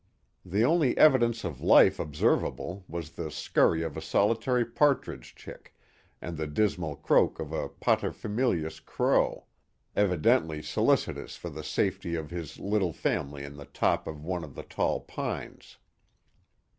The only evi dence of life observable was the scurry of a solitary partridge chick and the dismal croak of ^ pater familias crow, evidently solicitous for the safety of his little family in the top of one of the tall pines.